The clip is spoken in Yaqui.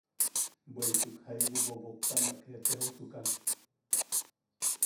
Bweʼituk jaibu boboktamak etejosukan.